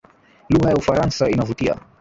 Lugha ya ufaransa inavutia